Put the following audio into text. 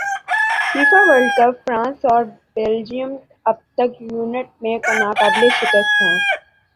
FIFA world cup France اور Belgium اب تک ایونٹ میں ناقابل شکست ہیں